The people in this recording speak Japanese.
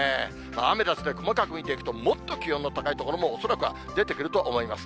アメダスで細かく見ていくと、もっと気温の高い所も恐らくは出てくると思います。